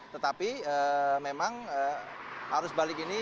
tetapi memang arus balik ini